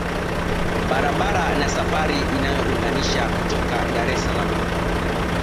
Barabara na safari inayounganisha kutoka Dar es salaam